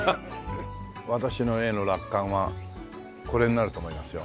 私の絵の落款はこれになると思いますよ。